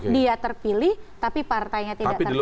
dia terpilih tapi partainya tidak terpilih